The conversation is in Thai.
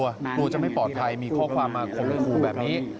กลัวจะไม่ปลอดภัยมีข้อความมาข่มขู่แบบนี้